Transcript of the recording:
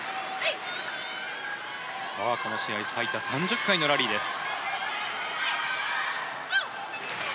この試合最多３０回のラリーです。